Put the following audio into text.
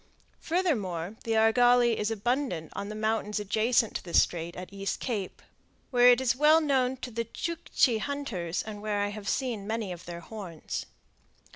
Furthermore the argali is abundant on the mountains adjacent to the Strait at East Cape, where it is well known to the Tschuckchi hunters and where I have seen many of their horns.